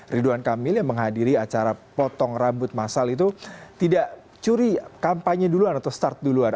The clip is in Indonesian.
ridwan kamil yang menghadiri acara potong rambut masal itu tidak curi kampanye duluan atau start duluan